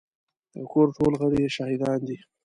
د کور ټول غړي يې شاهدان دي.